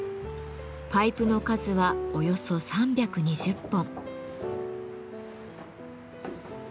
パイプの数はおよそ３２０本。